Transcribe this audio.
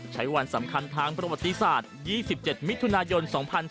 ใช้วันสำคัญทางประวัติศาสตร์๒๗มิถุนายน๒๔